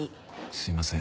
すいません。